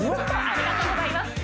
ありがとうございますうわ！